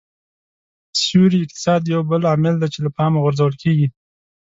سیوري اقتصاد یو بل عامل دی چې له پامه غورځول کېږي